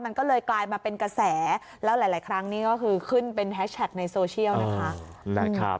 มันก็เลยกลายมาเป็นกระแสแล้วหลายครั้งนี้ก็คือขึ้นเป็นแฮชแท็กในโซเชียลนะคะ